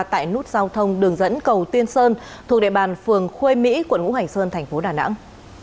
tại nút giao thông đường dẫn cầu tiên sơn thuộc địa bàn phường khuê mỹ quận ngũ hành sơn thành phố đà nẵng